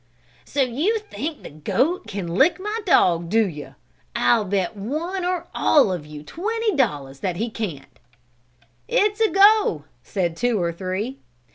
"So you think the goat can lick my dog, do you? I'll bet one or all of you twenty dollars that he can't." "It is a go!" said two or three.